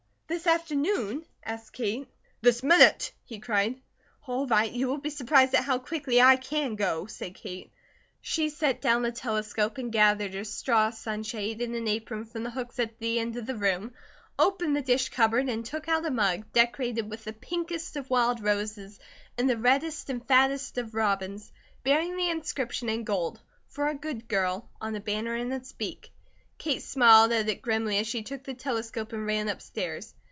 This afternoon?" asked Kate. "This minute!" he cried. "All right. You will be surprised at how quickly I can go," said Kate. She set down the telescope and gathered a straw sunshade and an apron from the hooks at the end of the room, opened the dish cupboard, and took out a mug decorated with the pinkest of wild roses and the reddest and fattest of robins, bearing the inscription in gold, "For a Good Girl" on a banner in its beak. Kate smiled at it grimly as she took the telescope and ran upstairs.